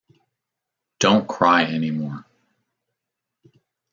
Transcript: Don’t cry any more.